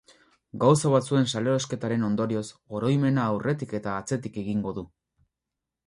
Gauza batzuen salerosketaren ondorioz, oroimena aurretik eta atzetik egingo du.